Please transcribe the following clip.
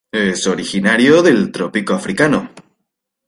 Es originario del trópico africano.